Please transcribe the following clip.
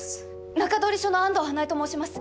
中通り署の安藤花恵と申します